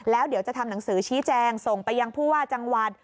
แล้วเดี๋ยวจะทำหนังสือชี้แจงส่งไปยังผู้ว่าจังหวัด